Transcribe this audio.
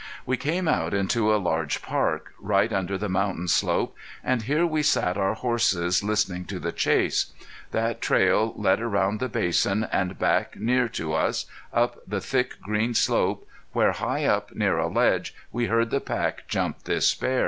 We came out into a large park, right under the mountain slope, and here we sat our horses listening to the chase. That trail led around the basin and back near to us, up the thick green slope, where high up near a ledge we heard the pack jump this bear.